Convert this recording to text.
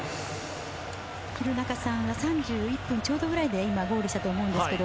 廣中さんは３１分ちょうどぐらいでゴールしたと思うんですけど。